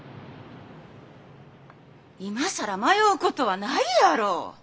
今更迷うことはないやろ！？